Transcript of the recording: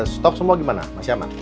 stok semua gimana masih aman